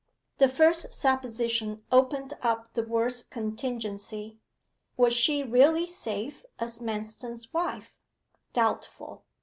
The first supposition opened up the worst contingency. Was she really safe as Manston's wife? Doubtful.